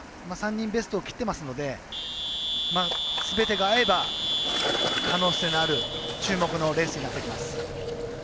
３人、ベストを切っていますのですべてが合えば可能性のある注目レースになってきます。